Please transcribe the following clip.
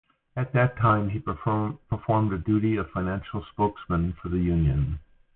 At that time he performed a duty of financial spokesman for the Union.